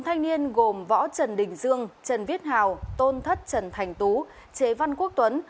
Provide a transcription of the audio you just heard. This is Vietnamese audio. năm thanh niên gồm võ trần đình dương trần viết hào tôn thất trần thành tú chế văn quốc tuấn